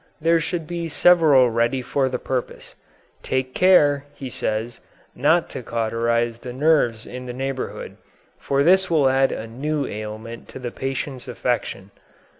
There should be several ready for the purpose. Take care, he says, not to cauterize the nerves in the neighborhood, for this will add a new ailment to the patient's affection.